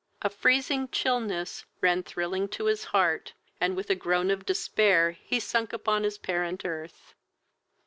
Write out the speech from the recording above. A freezing chilness ran thrilling to his heart, and with a groan of despair he sunk upon his parent earth.